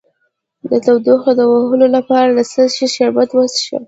د تودوخې د وهلو لپاره د څه شي شربت وڅښم؟